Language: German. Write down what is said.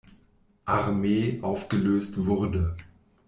Armee aufgelöst wurde.